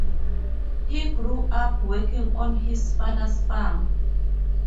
He grew up working on his father's farm.